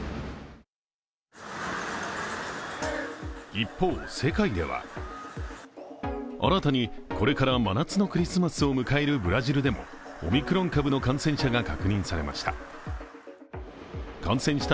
一方、世界では新たにこれから真夏のクリスマスを迎えるブラジルでもオミクロン株の感染者が確認されました。